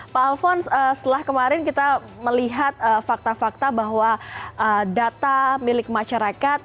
pak alphonse setelah kemarin kita melihat fakta fakta bahwa data milik masyarakat